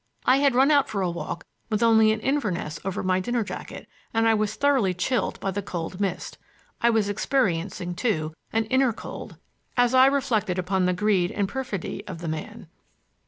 I had run out for a walk with only an inverness over my dinner jacket, and I was thoroughly chilled by the cold mist. I was experiencing, too, an inner cold as I reflected upon the greed and perfidy of man.